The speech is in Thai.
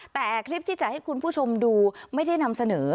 แต่คลิปที่จะให้คุณผู้ชมดูไม่ได้นำเสนอ